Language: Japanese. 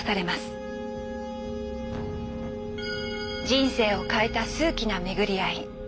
人生を変えた数奇な巡り会い。